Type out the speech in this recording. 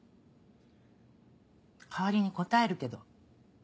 代わりに答えるけど。